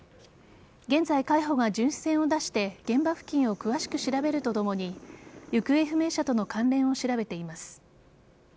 現在、海保が巡視船を出して現場付近を詳しく調べるとともに行方不明者との関連を調べています。